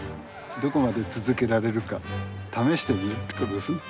どこまで続けられるか試してみるってことですね。